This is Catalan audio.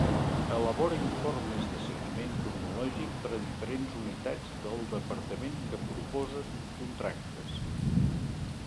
Elabora informes de seguiment cronològic per a les diferents unitats del Departament que proposen contractes.